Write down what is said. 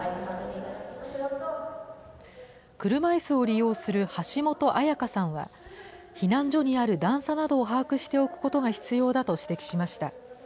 車いすを利用する橋本絢花さんは、避難所にある段差などを把握しておくことが必要だと指摘しました。